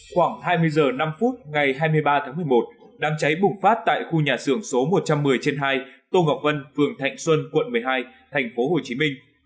khoảng hai mươi h năm ngày hai mươi ba tháng một mươi một đám cháy bùng phát tại khu nhà xưởng số một trăm một mươi trên hai tô ngọc vân phường thạnh xuân quận một mươi hai thành phố hồ chí minh